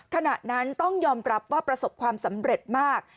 ขณะนั้นต้องยอมรับว่าประสบความสำเร็จมาก